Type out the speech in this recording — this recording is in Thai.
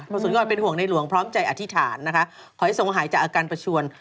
สุนทรเป็นห่วงในหลวงพร้อมใจอธิษฐานนะคะขอให้ทรงหายจากอาการประชวน